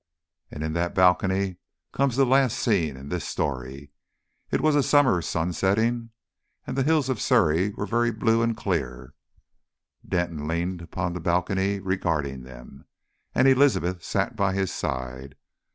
And in that balcony comes the last scene in this story. It was a summer sunsetting, and the hills of Surrey were very blue and clear. Denton leant upon the balcony regarding them, and Elizabeth sat by his side.